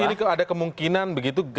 jadi ini kalau ada kemungkinan begitu